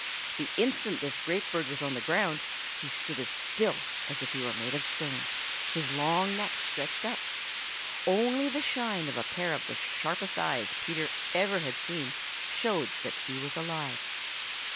The instant this great bird was on the ground, he stood as still as if he were made of stone, his long neck stretched up. Only the shine of a pair of the sharpest eyes Peter ever had seen showed that he was alive.